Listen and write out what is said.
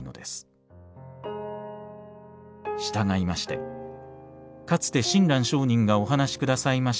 したがいましてかつて親鸞聖人がお話しくださいました